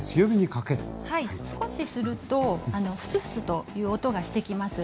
少しするとフツフツという音がしてきます。